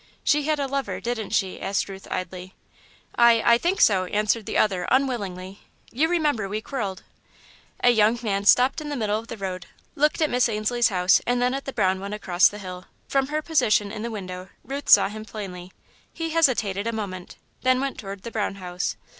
"She had a lover, didn't she?" asked Ruth, idly. "I I think so," answered the other, unwillingly. "You remember we quarrelled." A young man stopped in the middle of the road, looked at Miss Ainslie's house, and then at the brown one across the hill. From her position in the window, Ruth saw him plainly. He hesitated a moment, then went toward the brown house.